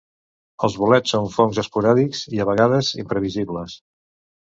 Els bolets són fongs esporàdics i, a vegades, imprevisibles.